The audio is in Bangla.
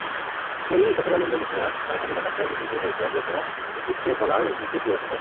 কেরি গতকাল ইন্দোনেশিয়ার রাজধানী জাকার্তায় দক্ষিণ-পূর্ব এশিয়ার বৃহত্তম ইশতেকলাল মসজিদ পরিদর্শন করেন।